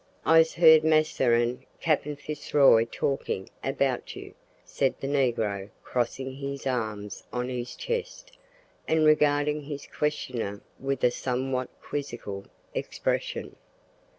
"I's heerd massa an' Cappin Fizzroy talkin' about you," said the negro, crossing his arms on his chest and regarding his questioner with a somewhat quizzical expression.